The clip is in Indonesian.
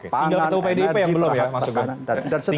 tinggal ketemu pdip yang belum ya mas ugo